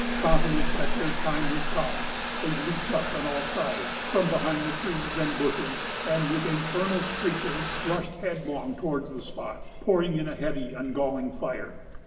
Confident that their time was come, they leaped up on all sides, from behind the trees and bushes, and, with infernal screeches, rushed headlong towards the spot, pouring in a heavy and galling fire.